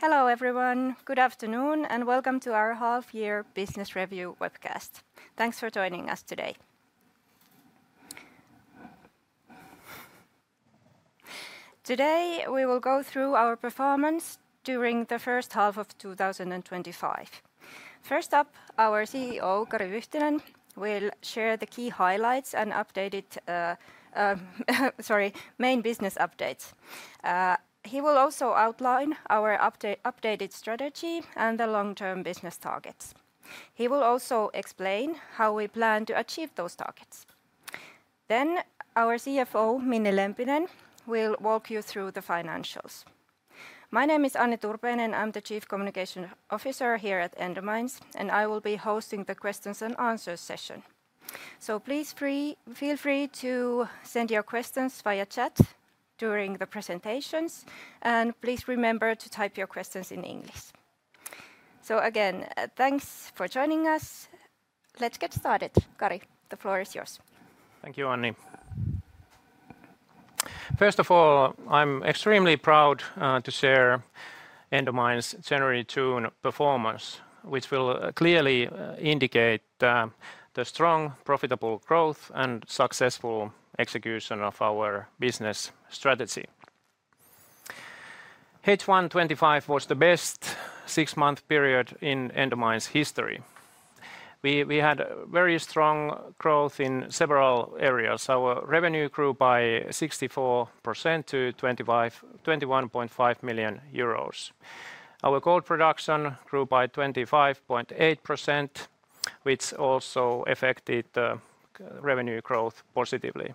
Hello everyone, good afternoon, and welcome to our half-year business review webcast. Thanks for joining us today. Today we will go through our performance during the first half of 2025. First up, our CEO, Kari Vyhtinen, will share the key highlights and updated, sorry, main business updates. He will also outline our updated strategy and the long-term business targets. He will also explain how we plan to achieve those targets, then our CFO, Minni Lempinen, will walk you through the financials. My name is Anni Turpeinen, I'm the Chief Communication Officer here at Endomines and I will be hosting the questions and answers session, so please feel free to send your questions via chat during the presentations and please remember to type your questions in English, so again, thanks for joining us. Let's get started, Kari. The floor is yours. Thank you, Anni. First of all, I'm extremely proud to share Endomines' January-June performance, which will clearly indicate the strong, profitable growth and successful execution of our business strategy. H1-25 was the best six-month period in Endomines' history. We had very strong growth in several areas. Our revenue grew by 64% to 21.5 million euros. Our gold production grew by 25.8%, which also affected revenue growth positively.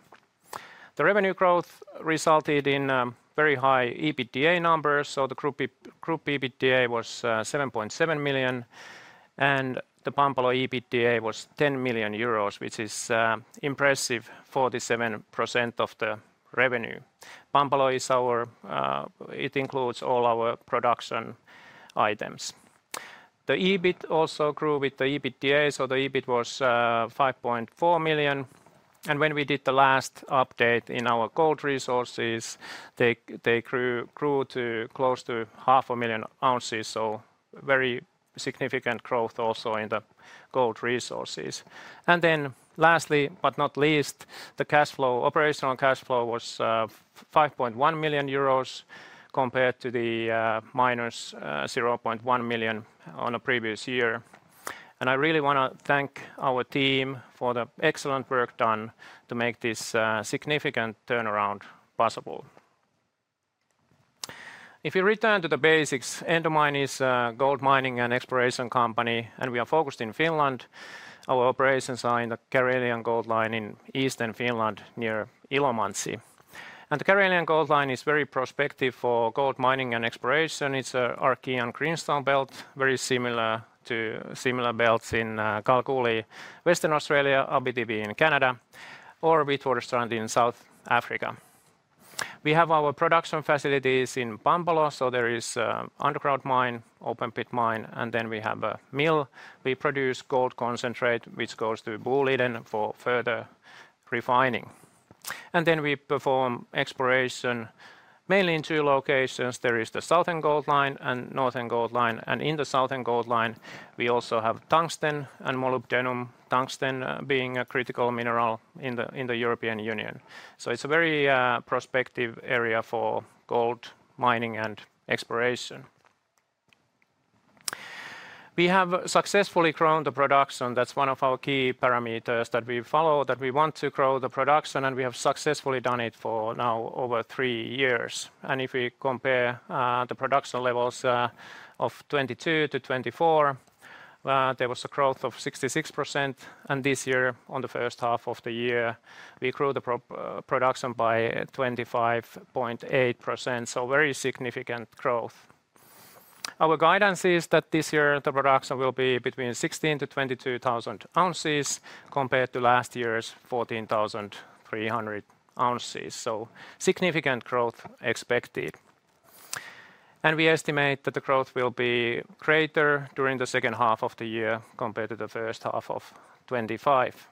The revenue growth resulted in very high EBITDA numbers, so the group EBITDA was 7.7 million and the Pampalo EBITDA was 10 million euros, which is impressive, 47% of the revenue. Pampalo is our - it includes all our production items. The EBIT also grew with the EBITDA, so the EBIT was 5.4 million, and when we did the last update in our gold resources, they grew to close to 500,000 ounces, so very significant growth also in the gold resources. Then lastly, but not least, the cash flow, operational cash flow was 5.1 million euros compared to the minus 0.1 million in the previous year. I really want to thank our team for the excellent work done to make this significant turnaround possible. If we return to the basics, Endomines is a gold mining and exploration company and we are focused in Finland. Our operations are in the Karelian Gold Line in eastern Finland near Ilomantsi. The Karelian Gold Line is very prospective for gold mining and exploration. It's our key greenstone belt, very similar to similar belts in Kalgoorlie, Western Australia, Abitibi in Canada, or Witwatersrand in South Africa. We have our production facilities in Pampalo, so there is an underground mine, open pit mine, and then we have a mill. We produce gold concentrate, which goes to Boliden for further refining. We perform exploration mainly in two locations. There is the Southern Gold Line and Northern Gold Line, and in the Southern Gold Line, we also have tungsten and molybdenum, tungsten being a critical mineral in the European Union. It is a very prospective area for gold mining and exploration. We have successfully grown the production. That is one of our key parameters that we follow, that we want to grow the production, and we have successfully done it for now over three years. If we compare the production levels of 2022-2024, there was a growth of 66%, and this year in the first half of the year, we grew the production by 25.8%, so very significant growth. Our guidance is that this year the production will be between 16,000-22,000 ounces compared to last year's 14,300 ounces, so significant growth expected. We estimate that the growth will be greater during the second half of the year compared to the first half of 2025.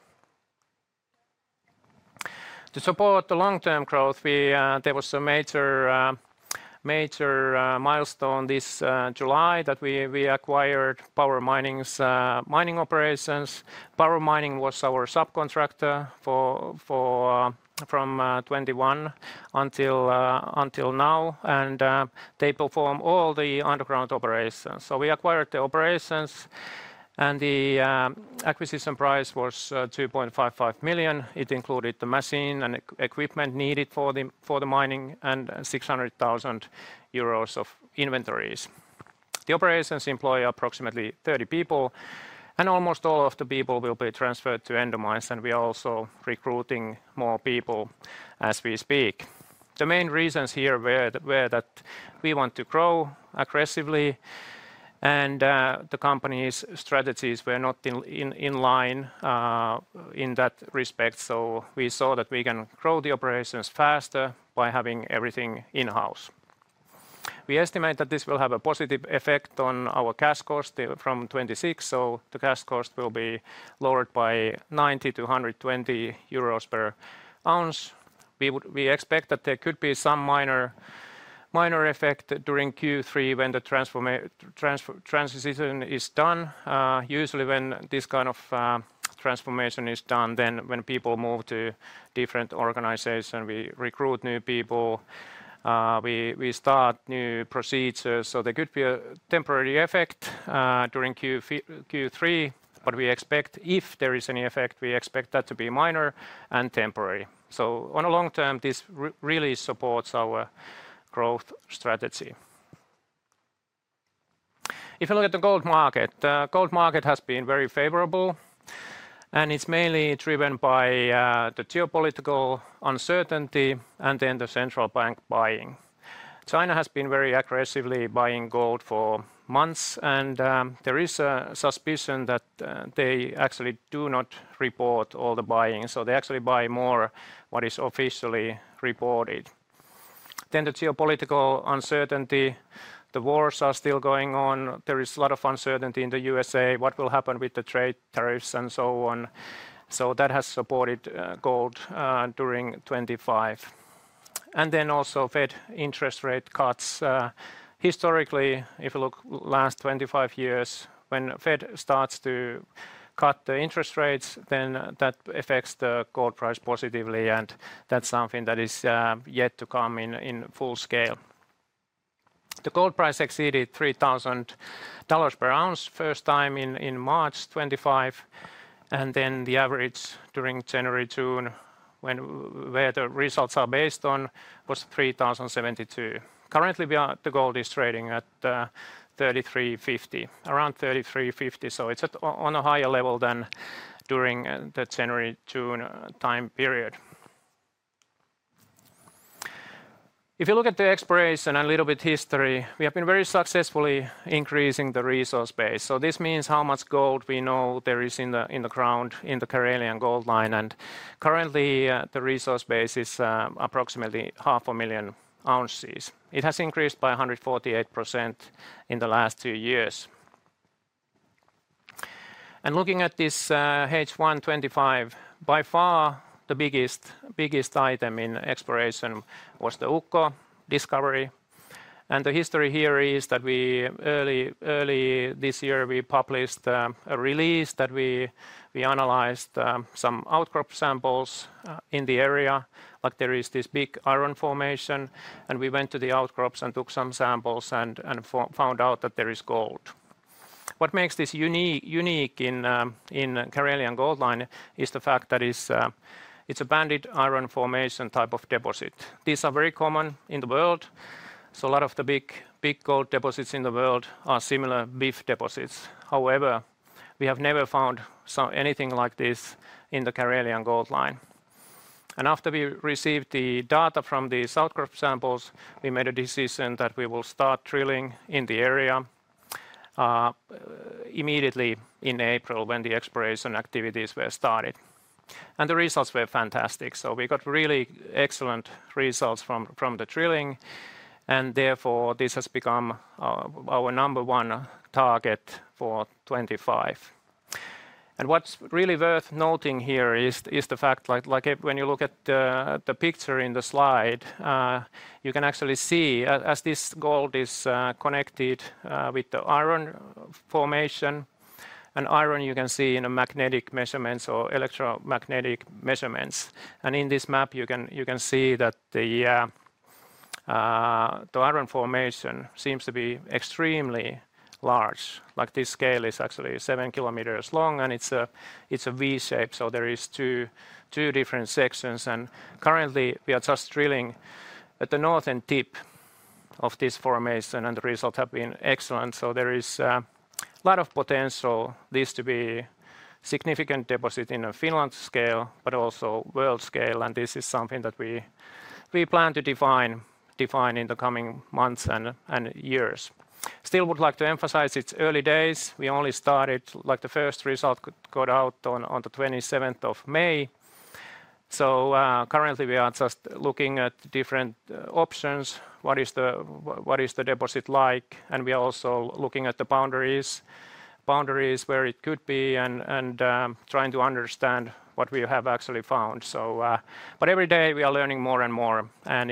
To support the long-term growth, there was a major milestone this July that we acquired Power Mining's mining operations. Power Mining was our subcontractor from 2021 until now, and they perform all the underground operations. We acquired the operations, and the acquisition price was 2.55 million. It included the machinery and equipment needed for the mining and 600,000 euros of inventories. The operations employ approximately 30 people, and almost all of the people will be transferred to Endomines, and we are also recruiting more people as we speak. The main reasons here were that we want to grow aggressively, and the company's strategies were not in line in that respect, so we saw that we can grow the operations faster by having everything in-house. We estimate that this will have a positive effect on our cash cost from 2026, so the cash cost will be lowered by 90-120 euros per ounce. We expect that there could be some minor effect during Q3 when the transition is done. Usually, when this kind of transformation is done, then when people move to different organizations, we recruit new people, we start new procedures, so there could be a temporary effect during Q3, but we expect if there is any effect, we expect that to be minor and temporary. So on a long term, this really supports our growth strategy. If you look at the gold market, the gold market has been very favorable, and it's mainly driven by the geopolitical uncertainty and then the central bank buying. China has been very aggressively buying gold for months, and there is a suspicion that they actually do not report all the buying, so they actually buy more what is officially reported. Then the geopolitical uncertainty, the wars are still going on, there is a lot of uncertainty in the USA, what will happen with the trade tariffs and so on, so that has supported gold during 2025. And then also Fed interest rate cuts. Historically, if you look at the last 25 years, when the Fed starts to cut the interest rates, then that affects the gold price positively, and that's something that is yet to come in full scale. The gold price exceeded $3,000 per ounce first time in March 2025, and then the average during January-June, where the results are based on, was $3,072. Currently, the gold is trading at $33.50, around $33.50, so it's on a higher level than during the January-June time period. If you look at the exploration and a little bit of history, we have been very successfully increasing the resource base, so this means how much gold we know there is in the ground in the Karelian Gold Line, and currently the resource base is approximately 500,000 ounces. It has increased by 148% in the last two years. Looking at this H1-25, by far the biggest item in exploration was the Ukko discovery, and the history here is that early this year we published a release that we analyzed some outcrop samples in the area, like there is this big iron formation, and we went to the outcrops and took some samples and found out that there is gold. What makes this unique in the Karelian Gold Line is the fact that it's a Banded Iron Formation type of deposit. These are very common in the world, so a lot of the big gold deposits in the world are similar BIF deposits. However, we have never found anything like this in the Karelian Gold Line, and after we received the data from the outcrop samples, we made a decision that we will start drilling in the area immediately in April when the exploration activities were started, and the results were fantastic, so we got really excellent results from the drilling, and therefore this has become our number one target for 2025. What's really worth noting here is the fact that when you look at the picture in the slide, you can actually see as this gold is connected with the iron formation, and iron you can see in magnetic measurements or electromagnetic measurements. In this map, you can see that the iron formation seems to be extremely large. Like this scale is actually 7 km long, and it's a V-shape, so there are two different sections. Currently, we are just drilling at the northern tip of this formation, and the results have been excellent, so there is a lot of potential. This to be a significant deposit in the Finland scale, but also world scale, and this is something that we plan to define in the coming months and years. Still would like to emphasize it's early days. We only started. Like, the first result got out on the 27th of May, so currently we are just looking at different options, what is the deposit like, and we are also looking at the boundaries where it could be and trying to understand what we have actually found. Every day we are learning more and more, and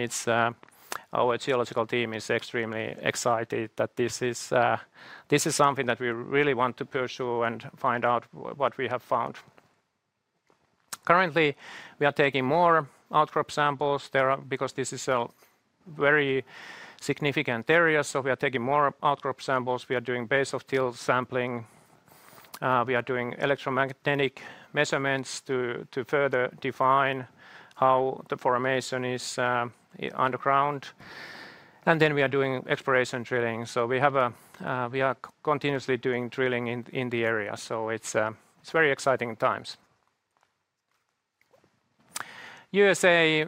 our geological team is extremely excited that this is something that we really want to pursue and find out what we have found. Currently, we are taking more outcrop samples because this is a very significant area, so we are taking more outcrop samples. We are doing base of till sampling. We are doing electromagnetic measurements to further define how the formation is underground, and then we are doing exploration drilling, so we are continuously doing drilling in the area, so it's very exciting times. USA,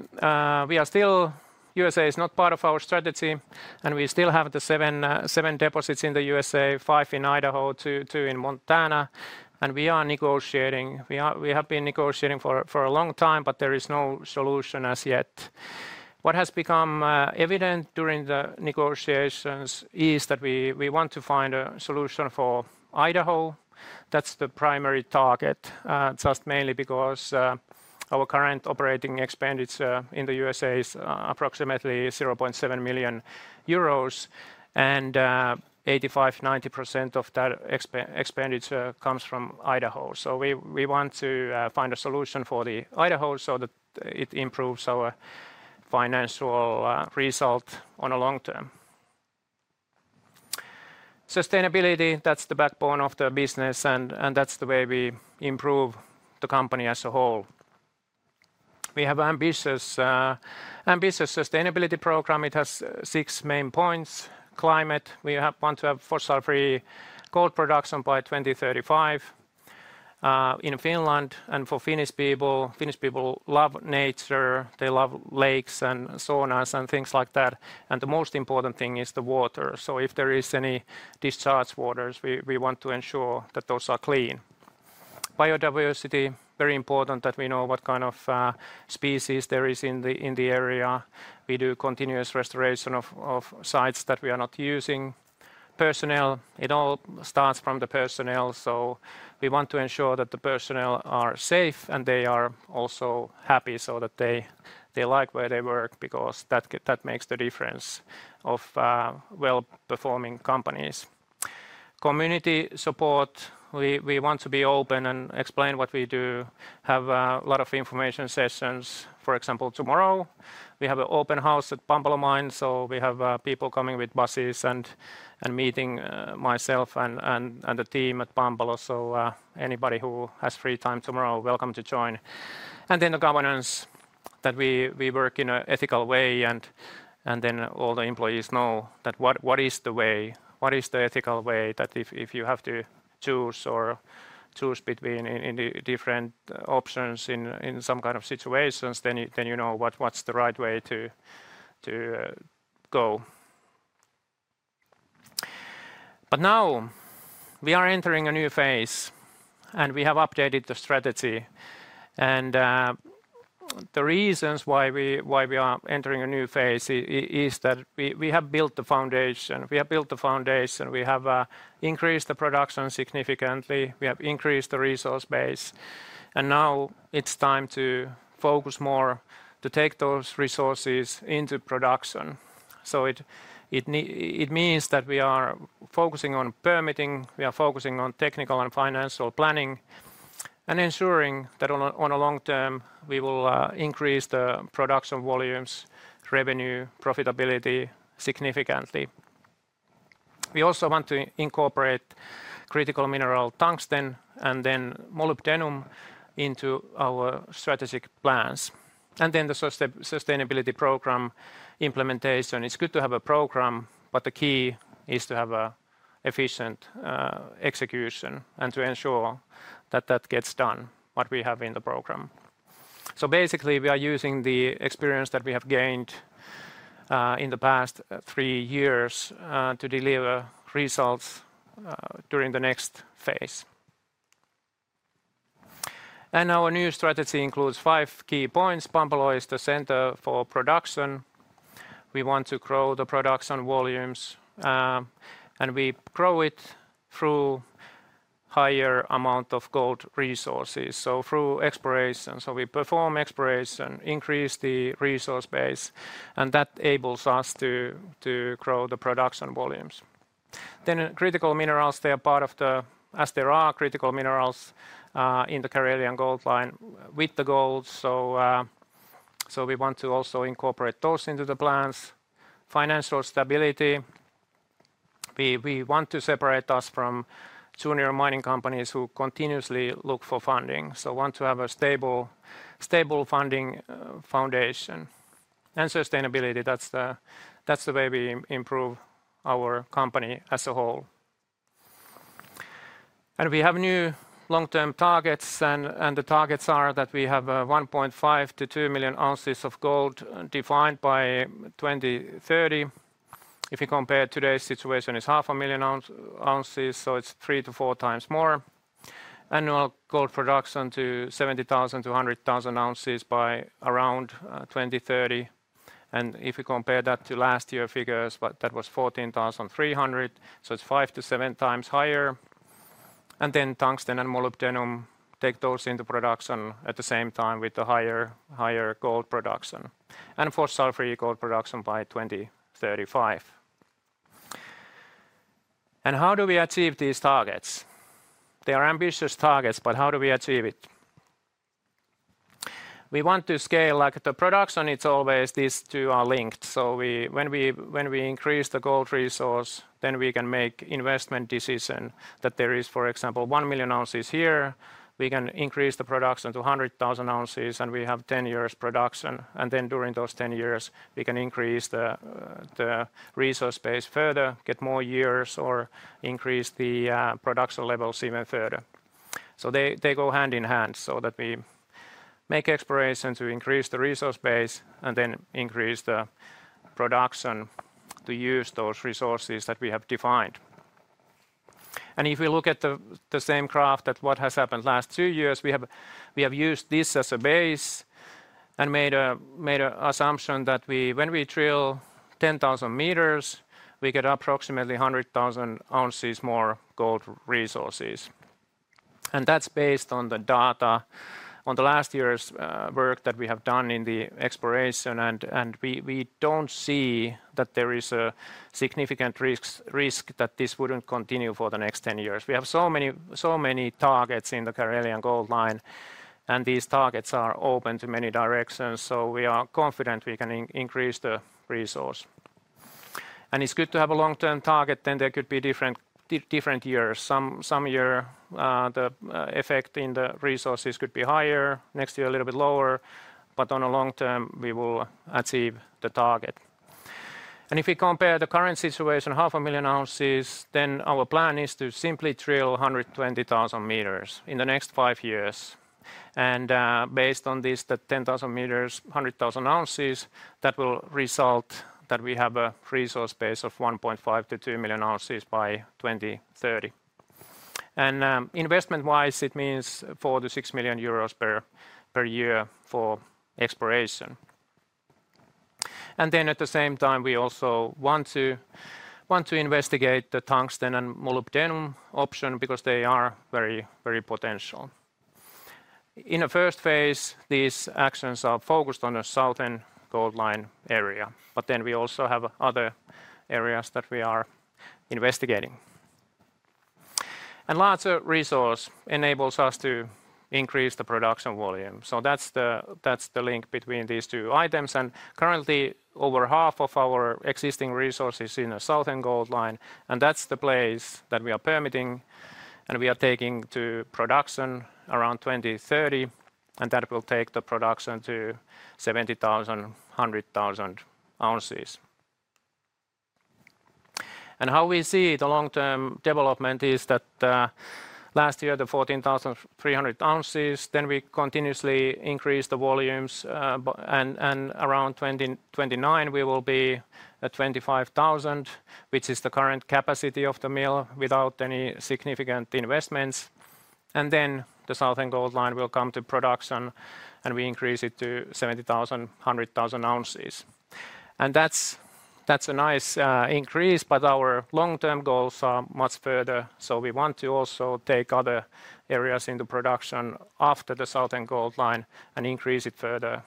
we are still. USA is not part of our strategy, and we still have the seven deposits in the USA, five in Idaho, two in Montana, and we are negotiating. We have been negotiating for a long time, but there is no solution as yet. What has become evident during the negotiations is that we want to find a solution for Idaho. That's the primary target, just mainly because our current operating expenditure in the USA is approximately 0.7 million euros, and 85%-90% of that expenditure comes from Idaho. We want to find a solution for Idaho so that it improves our financial result on a long term. Sustainability, that's the backbone of the business, and that's the way we improve the company as a whole. We have an ambitious sustainability program. It has six main points: climate. We want to have fossil-free gold production by 2035 in Finland, and for Finnish people, Finnish people love nature, they love lakes and saunas and things like that, and the most important thing is the water. So if there is any discharge waters, we want to ensure that those are clean. Biodiversity. Very important that we know what kind of species there is in the area. We do continuous restoration of sites that we are not using. Personnel. It all starts from the personnel, so we want to ensure that the personnel are safe and they are also happy so that they like where they work because that makes the difference of well-performing companies. Community support. We want to be open and explain what we do, have a lot of information sessions. For example, tomorrow we have an open house at Pampalo Mine, so we have people coming with buses and meeting myself and the team at Pampalo, so anybody who has free time tomorrow, welcome to join. And then the governance, that we work in an ethical way, and then all the employees know that what is the way, what is the ethical way that if you have to choose or choose between different options in some kind of situations, then you know what's the right way to go. But now we are entering a new phase, and we have updated the strategy, and the reasons why we are entering a new phase is that we have built the foundation. We have built the foundation, we have increased the production significantly, we have increased the resource base, and now it's time to focus more to take those resources into production. So it means that we are focusing on permitting. We are focusing on technical and financial planning and ensuring that on a long-term we will increase the production volumes, revenue, profitability significantly. We also want to incorporate critical mineral tungsten and then molybdenum into our strategic plans and then the sustainability program implementation. It's good to have a program, but the key is to have an efficient execution and to ensure that that gets done, what we have in the program. So basically we are using the experience that we have gained in the past three years to deliver results during the next phase and our new strategy includes five key points. Pampalo is the center for production. We want to grow the production volumes, and we grow it through a higher amount of gold resources, so through exploration. We perform exploration, increase the resource base, and that enables us to grow the production volumes. Then critical minerals, they are part of the, as there are critical minerals in the Karelian Gold Line with the gold, so we want to also incorporate those into the plans. Financial stability, we want to separate us from junior mining companies who continuously look for funding, so we want to have a stable funding foundation. Sustainability, that's the way we improve our company as a whole. We have new long-term targets, and the targets are that we have 1.5-2 million ounces of gold defined by 2030. If you compare today's situation, it's 500,000 ounces, so it's three to four times more. Annual gold production to 70,000-100,000 ounces by around 2030. If you compare that to last year's figures, that was 14,300, so it's five to seven times higher. And then tungsten and molybdenum take those into production at the same time with the higher gold production and fossil-free gold production by 2035. And how do we achieve these targets? They are ambitious targets, but how do we achieve it? We want to scale, like the production, it's always these two are linked, so when we increase the gold resource, then we can make investment decisions that there is, for example, one million ounces here, we can increase the production to 100,000 ounces, and we have ten years production, and then during those ten years we can increase the resource base further, get more years or increase the production levels even further. So they go hand in hand so that we make exploration to increase the resource base and then increase the production to use those resources that we have defined. And if we look at the same graph at what has happened last two years, we have used this as a base and made an assumption that when we drill 10,000 meters, we get approximately 100,000 ounces more gold resources. And that's based on the data on the last year's work that we have done in the exploration, and we don't see that there is a significant risk that this wouldn't continue for the next 10 years. We have so many targets in the Karelian Gold Line, and these targets are open to many directions, so we are confident we can increase the resource. And it's good to have a long-term target, then there could be different years. Some year the effect in the resources could be higher, next year a little bit lower, but on a long term we will achieve the target. If we compare the current situation, 500,000 ounces, then our plan is to simply drill 120,000 meters in the next five years. Based on this, the 10,000 meters, 100,000 ounces, that will result that we have a resource base of 1.5-2 million ounces by 2030. Investment-wise, it means 4-6 million euros per year for exploration. At the same time, we also want to investigate the tungsten and molybdenum option because they are very potential. In the first phase, these actions are focused on the Southern Gold Line area, but then we also have other areas that we are investigating. Larger resource enables us to increase the production volume, so that's the link between these two items. Currently, over half of our existing resources is in the Southern Gold Line, and that's the place that we are permitting, and we are taking to production around 2030, and that will take the production to 70,000-100,000 ounces. How we see the long-term development is that last year the 14,300 ounces, then we continuously increase the volumes, and around 2029 we will be at 25,000, which is the current capacity of the mill without any significant investments. The Southern Gold Line will come to production, and we increase it to 70,000-100,000 ounces. And that's a nice increase, but our long-term goals are much further, so we want to also take other areas into production after the Southern Gold Line and increase it further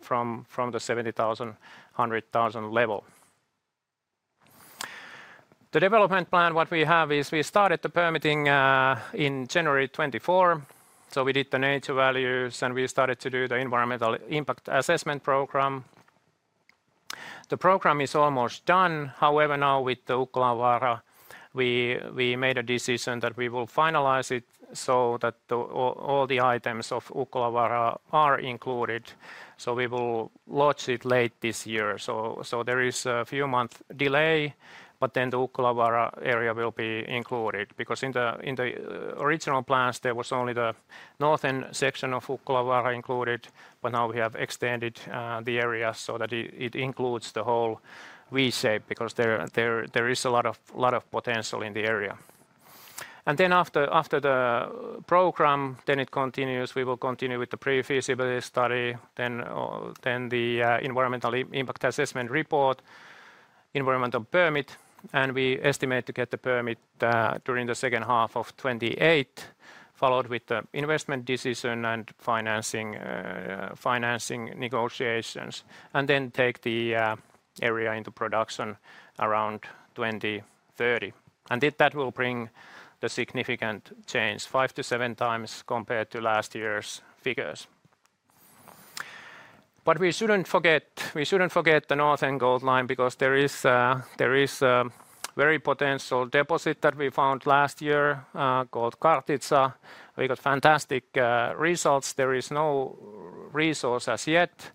from the 70,000-100,000 level. The development plan, what we have is we started the permitting in January 2024, so we did the nature values and we started to do the environmental impact assessment program. The program is almost done, however now with the Ukkolanvaara, we made a decision that we will finalize it so that all the items of Ukkolanvaara are included, so we will launch it late this year. So there is a few months' delay, but then the Ukkolanvaara area will be included because in the original plans there was only the northern section of Ukkolanvaara included, but now we have extended the area so that it includes the whole V-shape because there is a lot of potential in the area. And then after the program, then it continues, we will continue with the pre-feasibility study, then the environmental impact assessment report, environmental permit, and we estimate to get the permit during the second half of 2028, followed with the investment decision and financing negotiations, and then take the area into production around 2030. And that will bring the significant change, five to seven times compared to last year's figures. But we shouldn't forget, we shouldn't forget the Northern Gold Line because there is a very potential deposit that we found last year called Kartitsa. We got fantastic results. There is no resource as yet,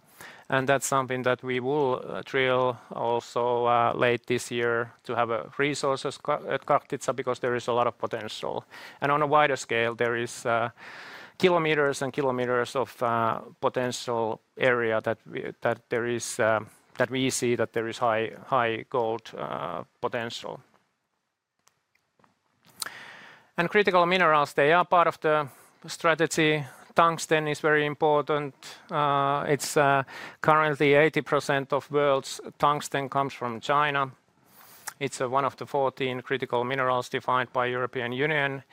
and that's something that we will drill also late this year to have resources at Kartitsa because there is a lot of potential. And on a wider scale, there are kilometers and kilometers of potential area that we see that there is high gold potential. And critical minerals, they are part of the strategy. Tungsten is very important. It's currently 80% of the world's tungsten comes from China. It's one of the 14 critical minerals defined by the European Union,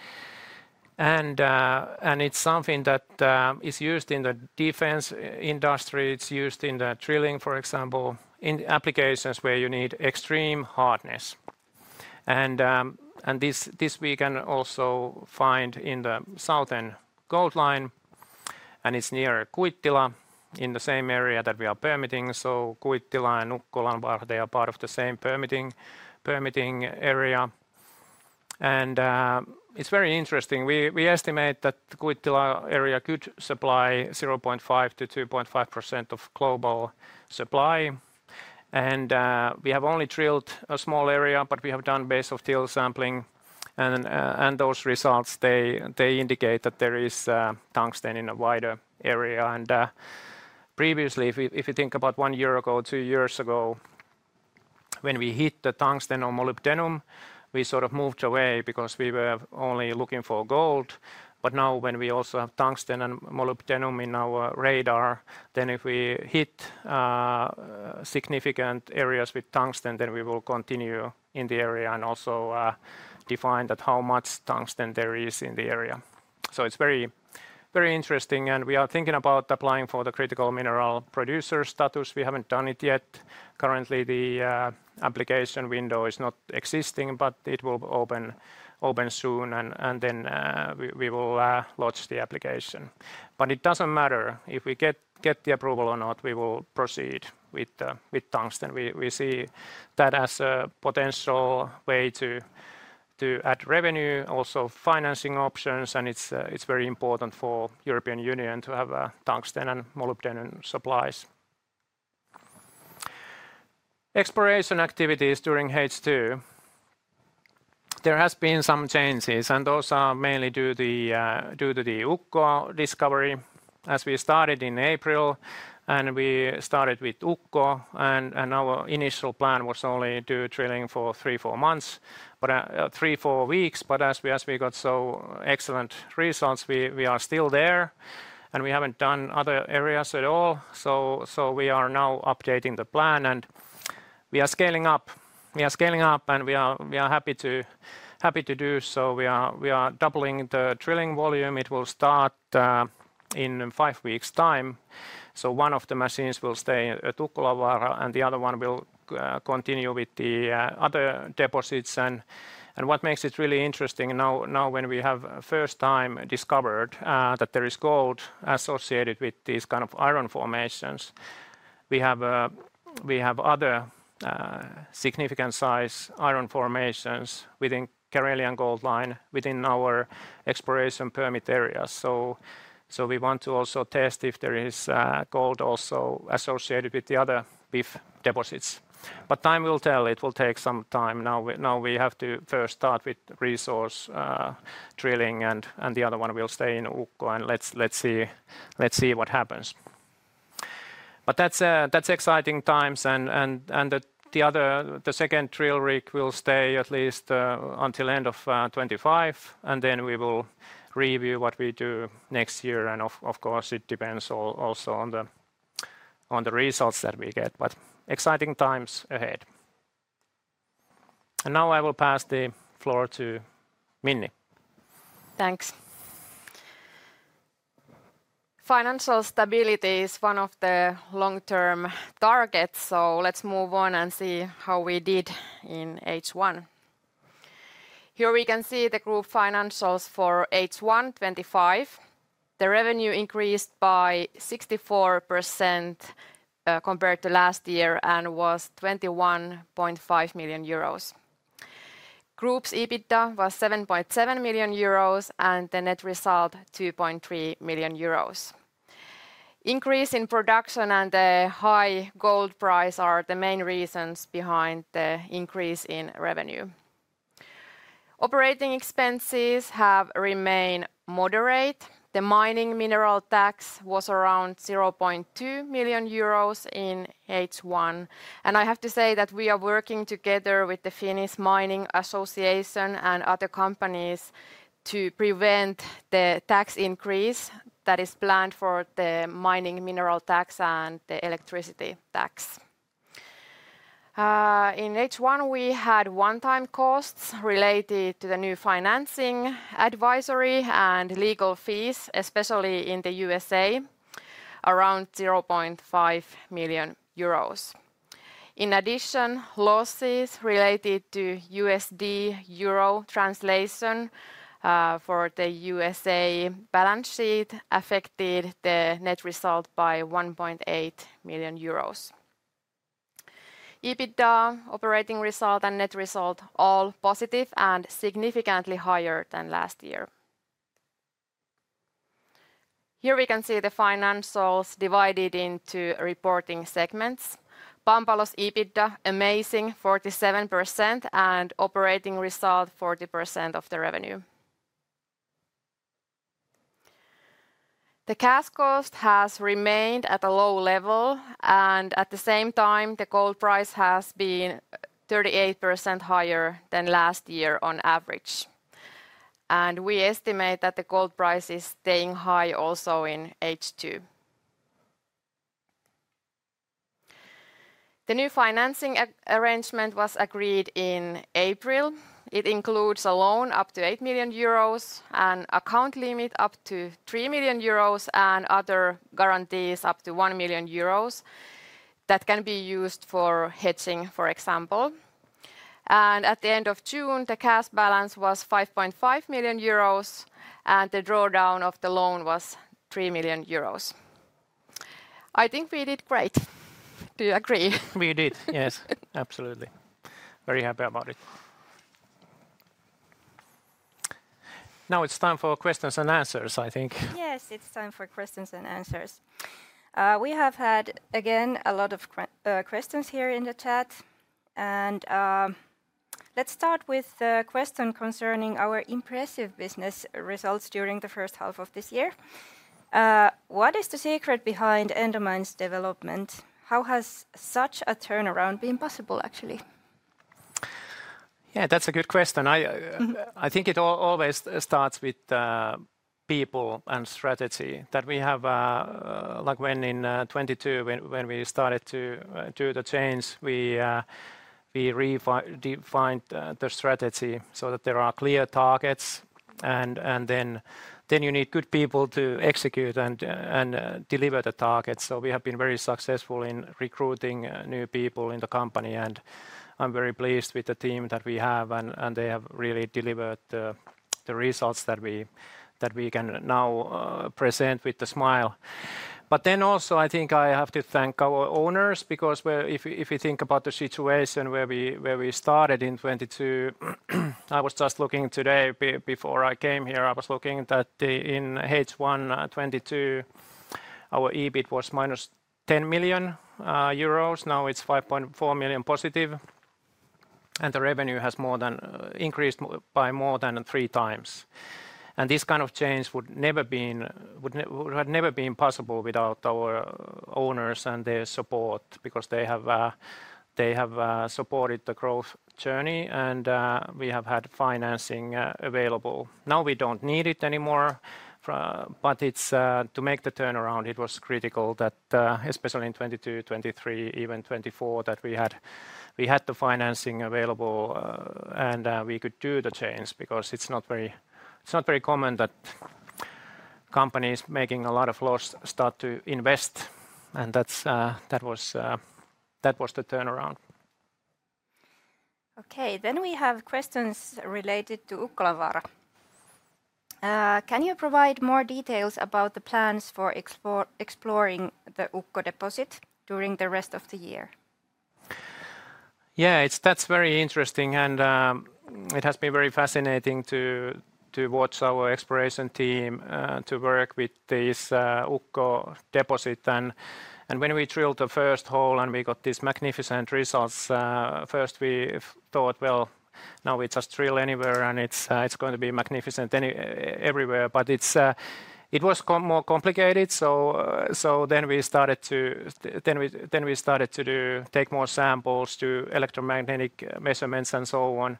and it's something that is used in the defense industry. It's used in the drilling, for example, in applications where you need extreme hardness. And this we can also find in the Southern Gold Line, and it's near Kuittila in the same area that we are permitting, so Kuittila and Ukkolanvaara are part of the same permitting area. It's very interesting. We estimate that the Kuittila area could supply 0.5%-2.5% of global supply, and we have only drilled a small area, but we have done a base of till sampling, and those results indicate that there is tungsten in a wider area. Previously, if you think about one year ago, two years ago, when we hit the tungsten or molybdenum, we sort of moved away because we were only looking for gold. Now when we also have tungsten and molybdenum in our radar, then if we hit significant areas with tungsten, then we will continue in the area and also define how much tungsten there is in the area. It's very interesting, and we are thinking about applying for the critical mineral producer status. We haven't done it yet. Currently, the application window is not existing, but it will open soon, and then we will launch the application, but it doesn't matter if we get the approval or not, we will proceed with tungsten. We see that as a potential way to add revenue, also financing options, and it's very important for the European Union to have tungsten and molybdenum supplies. Exploration activities during H2. There have been some changes, and those are mainly due to the Ukkola discovery. As we started in April, and we started with Ukkola, and our initial plan was only to drilling for three, four months, but three, four weeks, but as we got so excellent results, we are still there, and we haven't done other areas at all, so we are now updating the plan, and we are scaling up, and we are happy to do so. We are doubling the drilling volume. It will start in five weeks' time, so one of the machines will stay at Ukkolanvaara, and the other one will continue with the other deposits, and what makes it really interesting now when we have first time discovered that there is gold associated with these kind of iron formations, we have other significant size iron formations within the Karelian Gold Line within our exploration permit area, so we want to also test if there is gold also associated with the other BIF deposits, but time will tell, it will take some time. Now we have to first start with resource drilling, and the other one will stay in Ukkola, and let's see what happens. But that's exciting times, and the second drill rig will stay at least until end of 2025, and then we will review what we do next year, and of course it depends also on the results that we get, but exciting times ahead. And now I will pass the floor to Minni. Thanks. Financial stability is one of the long-term targets, so let's move on and see how we did in H1. Here we can see the group financials for H1 2025. The revenue increased by 64% compared to last year and was 21.5 million euros. Group's EBITDA was 7.7 million euros, and the net result 2.3 million euros. Increase in production and the high gold price are the main reasons behind the increase in revenue. Operating expenses have remained moderate. The mining mineral tax was around 0.2 million euros in H1, and I have to say that we are working together with the Finnish Mining Association and other companies to prevent the tax increase that is planned for the mining mineral tax and the electricity tax. In H1 we had one-time costs related to the new financing advisory and legal fees, especially in the USA, around 0.5 million euros. In addition, losses related to USD/EUR translation for the USA balance sheet affected the net result by 1.8 million euros. EBITDA, operating result, and net result all positive and significantly higher than last year. Here we can see the financials divided into reporting segments. Pampalo's EBITDA, amazing 47%, and operating result 40% of the revenue. The cash cost has remained at a low level, and at the same time the gold price has been 38% higher than last year on average, and we estimate that the gold price is staying high also in H2. The new financing arrangement was agreed in April. It includes a loan up to 8 million euros and account limit up to 3 million euros and other guarantees up to 1 million euros that can be used for hedging, for example, and at the end of June, the cash balance was 5.5 million euros, and the drawdown of the loan was 3 million euros. I think we did great. Do you agree? We did, yes. Absolutely. Very happy about it. Now it's time for questions and answers, I think. Yes, it's time for questions and answers. We have had, again, a lot of questions here in the chat, and let's start with the question concerning our impressive business results during the first half of this year. What is the secret behind Endomines development? How has such a turnaround been possible, actually? Yeah, that's a good question. I think it always starts with people and strategy. That we have, like when in 2022, when we started to do the change, we refined the strategy so that there are clear targets, and then you need good people to execute and deliver the targets. So we have been very successful in recruiting new people in the company, and I'm very pleased with the team that we have, and they have really delivered the results that we can now present with a smile. But then also, I think I have to thank our owners because if you think about the situation where we started in 2022, I was just looking today before I came here, I was looking that in H1 2022, our EBIT was -10 million euros. Now it's 5.4 million positive, and the revenue has increased by more than three times. And this kind of change would never have been possible without our owners and their support because they have supported the growth journey, and we have had financing available. Now we don't need it anymore, but to make the turnaround, it was critical that, especially in 2022, 2023, even 2024, that we had the financing available and we could do the change because it's not very common that companies making a lot of loss start to invest, and that was the turnaround. Okay, then we have questions related to Ukkolanvaara. Can you provide more details about the plans for exploring the Ukko deposit during the rest of the year? Yeah, that's very interesting, and it has been very fascinating to watch our exploration team to work with this Ukko deposit. And when we drilled the first hole and we got these magnificent results, first we thought, well, now we just drill anywhere and it's going to be magnificent everywhere. But it was more complicated, so then we started to take more samples to electromagnetic measurements and so on.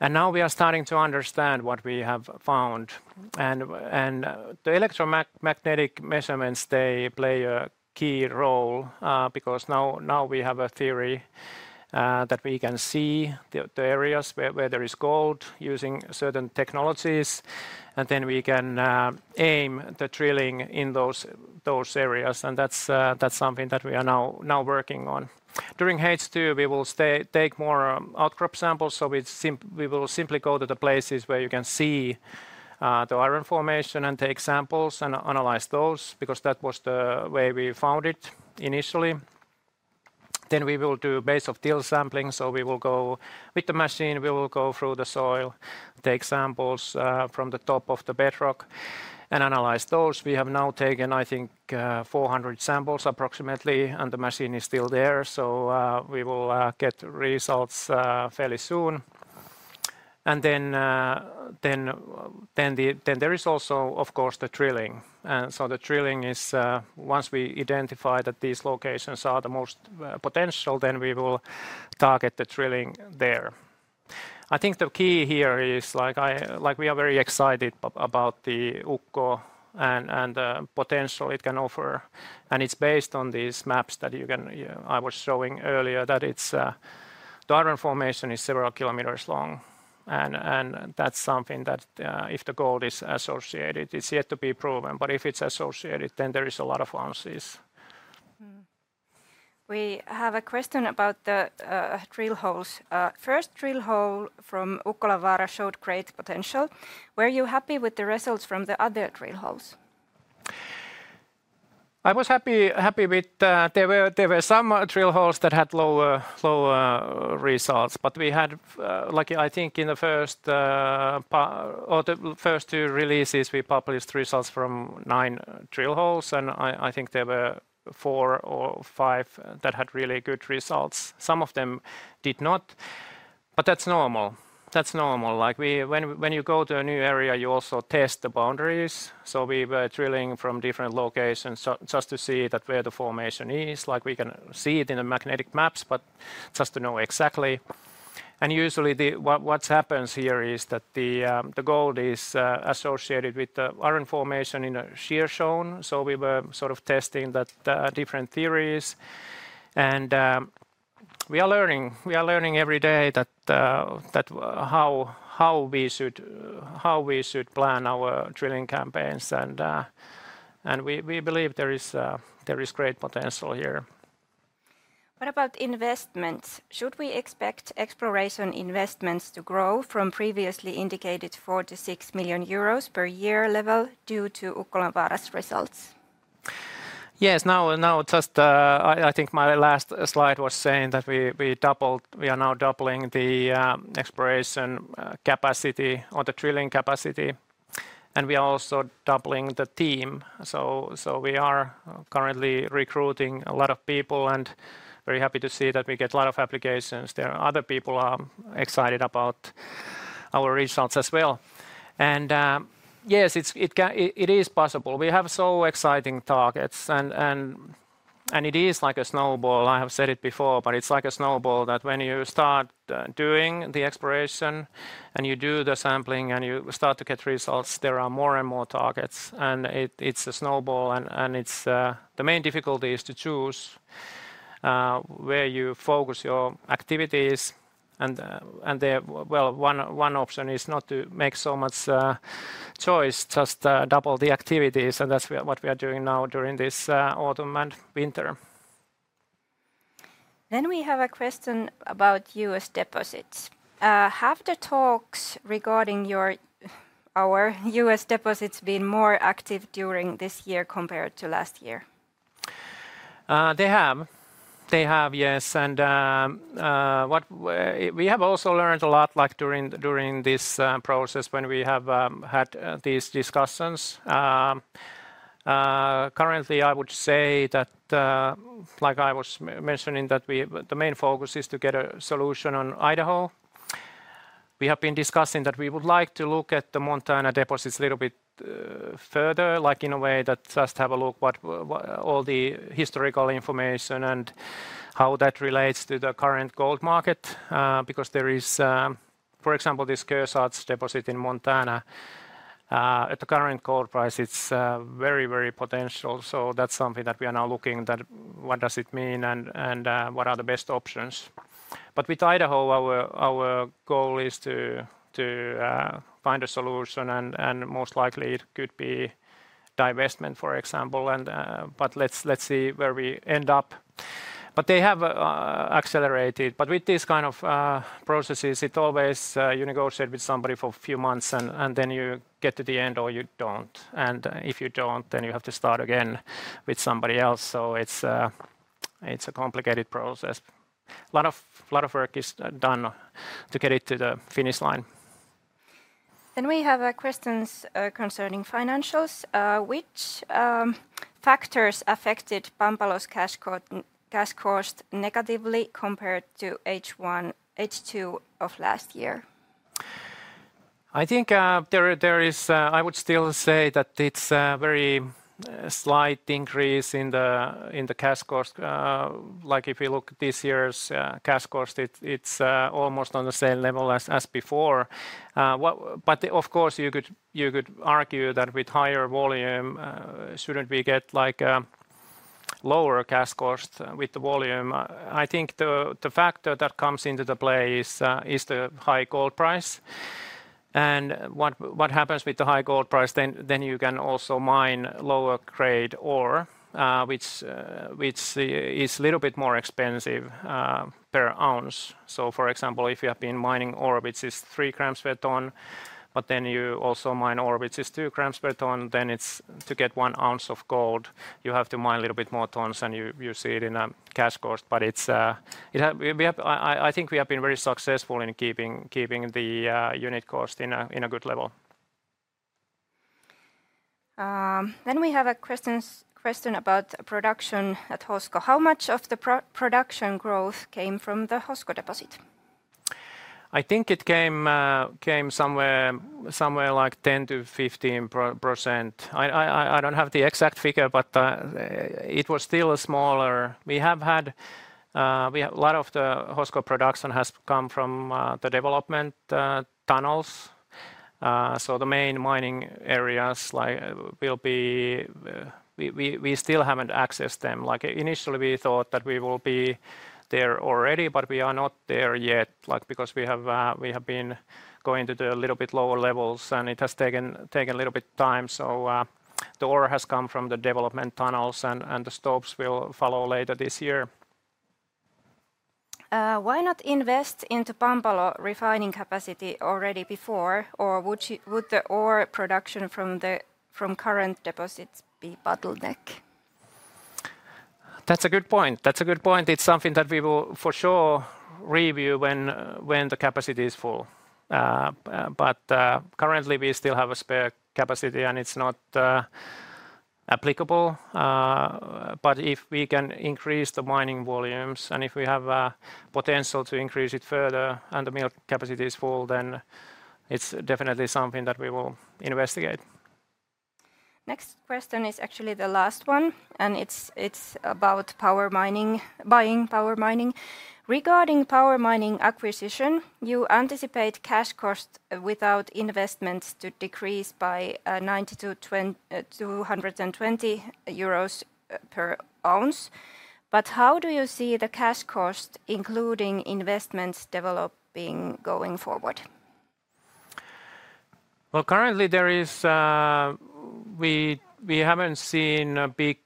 And now we are starting to understand what we have found. The electromagnetic measurements, they play a key role because now we have a theory that we can see the areas where there is gold using certain technologies, and then we can aim the drilling in those areas, and that's something that we are now working on. During H2, we will take more outcrop samples, so we will simply go to the places where you can see the iron formation and take samples and analyze those because that was the way we found it initially. Then we will do base of till sampling, so we will go with the machine, we will go through the soil, take samples from the top of the bedrock and analyze those. We have now taken, I think, 400 samples approximately, and the machine is still there, so we will get results fairly soon. Then there is also, of course, the drilling. The drilling is, once we identify that these locations are the most potential, then we will target the drilling there. I think the key here is, like we are very excited about the Ukko and the potential it can offer, and it's based on these maps that I was showing earlier that the iron formation is several kilometers long, and that's something that if the gold is associated, it's yet to be proven, but if it's associated, then there is a lot of chances. We have a question about the drill holes. First drill hole from Ukkolanvaara showed great potential. Were you happy with the results from the other drill holes? I was happy with. There were some drill holes that had lower results, but we had, like I think in the first two releases, we published results from nine drill holes, and I think there were four or five that had really good results. Some of them did not, but that's normal. That's normal. Like when you go to a new area, you also test the boundaries, so we were drilling from different locations just to see where the formation is. Like we can see it in the magnetic maps, but just to know exactly, and usually what happens here is that the gold is associated with the iron formation in a shear zone, so we were sort of testing different theories, and we are learning every day how we should plan our drilling campaigns, and we believe there is great potential here. What about investments? Should we expect exploration investments to grow from previously indicated 4-6 million euros per year level due to Ukkolanvaara's results? Yes, now just I think my last slide was saying that we are now doubling the exploration capacity or the drilling capacity, and we are also doubling the team, so we are currently recruiting a lot of people and very happy to see that we get a lot of applications. There are other people who are excited about our results as well. And yes, it is possible. We have so exciting targets, and it is like a snowball. I have said it before, but it's like a snowball that when you start doing the exploration and you do the sampling and you start to get results, there are more and more targets, and it's a snowball, and the main difficulty is to choose where you focus your activities, and one option is not to make so much choice, just double the activities, and that's what we are doing now during this autumn and winter. Then we have a question about U.S. deposits. Have the talks regarding our U.S. deposits been more active during this year compared to last year? They have. They have, yes. And we have also learned a lot during this process when we have had these discussions. Currently, I would say that, like I was mentioning, that the main focus is to get a solution on Idaho. We have been discussing that we would like to look at the Montana deposits a little bit further, like in a way that just have a look at all the historical information and how that relates to the current gold market, because there is, for example, this Kearsarge deposit in Montana. At the current gold price, it's very, very potential, so that's something that we are now looking at, what does it mean and what are the best options. But with Idaho, our goal is to find a solution, and most likely it could be divestment, for example, but let's see where we end up. But they have accelerated, but with these kinds of processes, it always, you negotiate with somebody for a few months and then you get to the end or you don't, and if you don't, then you have to start again with somebody else, so it's a complicated process. A lot of work is done to get it to the finish line. Then we have questions concerning financials. Which factors affected Pampalo's cash cost negatively compared to H1, H2 of last year? I think there is, I would still say that it's a very slight increase in the cash cost. Like if you look at this year's cash cost, it's almost on the same level as before, but of course you could argue that with higher volume, shouldn't we get lower cash cost with the volume? I think the factor that comes into the play is the high gold price, and what happens with the high gold price, then you can also mine lower grade ore, which is a little bit more expensive per ounce. So for example, if you have been mining ore, which is three grams per ton, but then you also mine ore, which is two grams per ton, then to get one ounce of gold, you have to mine a little bit more tons and you see it in a cash cost, but I think we have been very successful in keeping the unit cost in a good level. Then we have a question about production at Hosko. How much of the production growth came from the Hosko deposit? I think it came somewhere like 10%-15%. I don't have the exact figure, but it was still smaller. We have had a lot of the Hosko production has come from the development tunnels, so the main mining areas will be. We still haven't accessed them. Like initially we thought that we will be there already, but we are not there yet, like because we have been going to a little bit lower levels and it has taken a little bit of time, so the ore has come from the development tunnels and the stops will follow later this year. Why not invest into Pampalo refining capacity already before, or would the ore production from the current deposits be bottleneck? That's a good point. That's a good point. It's something that we will for sure review when the capacity is full, but currently we still have a spare capacity and it's not applicable, but if we can increase the mining volumes and if we have potential to increase it further and the mill capacity is full, then it's definitely something that we will investigate. Next question is actually the last one, and it's about Power Mining, buying Power Mining. Regarding Power Mining acquisition, you anticipate cash cost without investments to decrease by 90-220 euros per ounce, but how do you see the cash cost including investments developing going forward? Well, currently there is, we haven't seen a big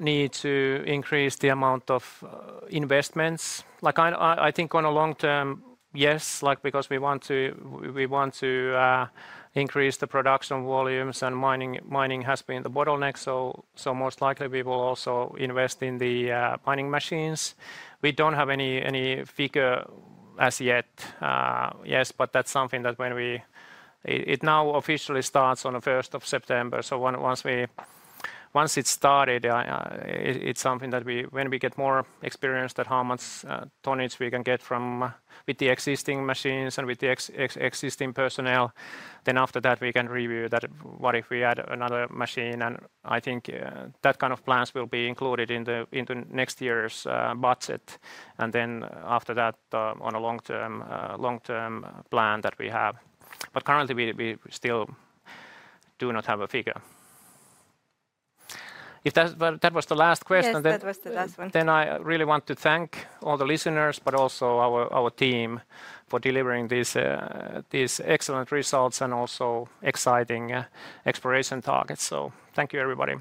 need to increase the amount of investments. Like, I think on a long term, yes, like because we want to increase the production volumes and mining has been the bottleneck, so most likely we will also invest in the mining machines. We don't have any figure as yet, yes, but that's something that when we, it now officially starts on the 1st of September, so once it started, it's something that when we get more experienced at how much tonnage we can get with the existing machines and with the existing personnel, then after that we can review that what if we add another machine, and I think that kind of plans will be included in the next year's budget, and then after that on a long-term plan that we have. But currently we still do not have a figure. If that was the last question, then I really want to thank all the listeners, but also our team for delivering these excellent results and also exciting exploration targets, so thank you everybody.